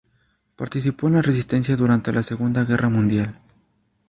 Participó en la Resistencia durante la Segunda Guerra Mundial.